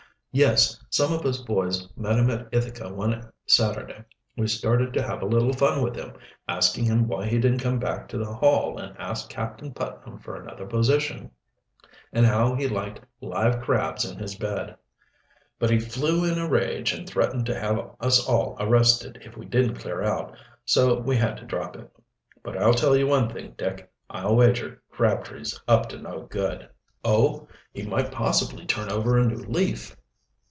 "Yes; some of us boys met him at Ithaca one Saturday. We started to have a little fun with him, asking him why he didn't come back to the Hall and ask Captain Putnam for another position, and how he liked live crabs in his bed. But he flew in a rage and threatened to have us all arrested if we didn't clear out, so we had to drop it. But I'll tell you one thing, Dick; I'll wager Crabtree's up to no good." "Oh! he might possibly turn over a new leaf."